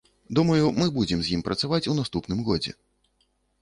Думаю, мы будзем з ім працаваць у наступным годзе.